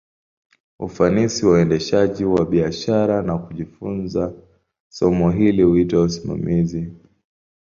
Ufanisi wa uendeshaji wa biashara, na kujifunza somo hili, huitwa usimamizi.